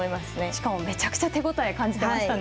しかも、めちゃくちゃ手応えを感じていましたね。